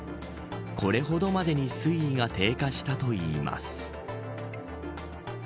これほどまでに水位が低下したといいます。